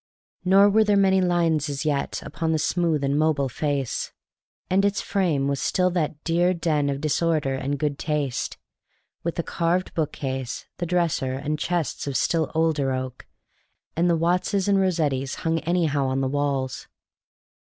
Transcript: Nor were there many lines as yet upon the smooth and mobile face; and its frame was still that dear den of disorder and good taste, with the carved book case, the dresser and chests of still older oak, and the Wattses and Rossettis hung anyhow on the walls.